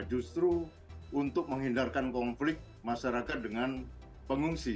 justru untuk menghindarkan konflik masyarakat dengan pengungsi